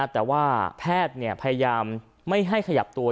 แต่ว่าแพทย์พยายามไม่ให้ขยับตัว